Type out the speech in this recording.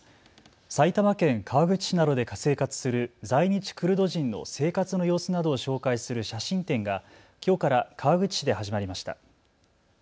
埼玉県川口市などで生活する在日クルド人の生活の様子などを紹介する写真展がきょうから川口市で始まりました。